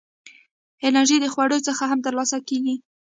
انرژي د خوړو څخه هم ترلاسه کېږي.